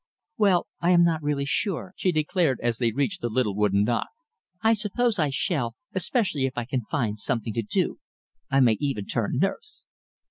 Well, I am not really sure," she declared, as they reached the little wooden dock. "I suppose I shall, especially if I can find something to do. I may even turn nurse."